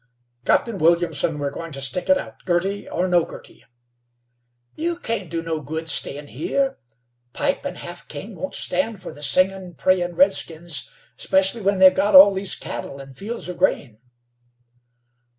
"Captain Williamson, we're going to stick it out, Girty or no Girty." "You can't do no good stayin' here. Pipe and Half King won't stand for the singin', prayin' redskins, especially when they've got all these cattle and fields of grain."